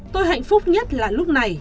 tôi hạnh phúc nhất là lúc này